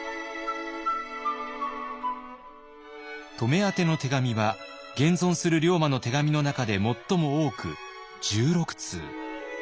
乙女宛ての手紙は現存する龍馬の手紙の中で最も多く１６通。